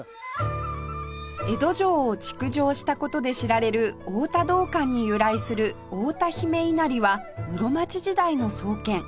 江戸城を築城した事で知られる太田道灌に由来する太田姫稲荷は室町時代の創建